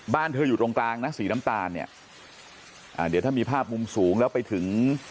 บ้านเธออยู่ตรงกลางนะสีน้ำตาลเนี่ยอ่าเดี๋ยวถ้ามีภาพมุมสูงแล้วไปถึง